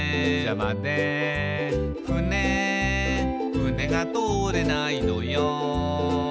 「ふねふねが通れないのよ」